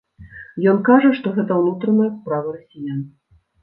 Ён кажа, што гэта ўнутраная справа расіян.